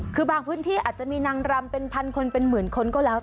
คือบางพื้นที่อาจจะมีนางรำเป็นพันคนเป็นหมื่นคนก็แล้ว